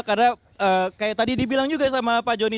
karena kayak tadi dibilang juga sama pak joni